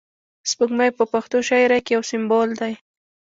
سپوږمۍ په پښتو شاعري کښي یو سمبول دئ.